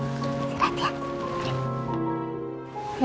seri hati ya